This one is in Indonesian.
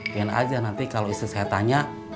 biar aja nanti kalau istri saya tanya